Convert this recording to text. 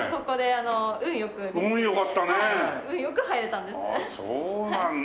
あっそうなんだ。